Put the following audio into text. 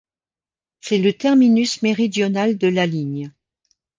C'est le terminus méridional de la ligne.